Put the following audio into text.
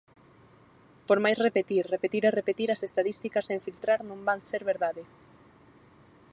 Por máis repetir, repetir e repetir as estatísticas sen filtrar, non van ser verdade.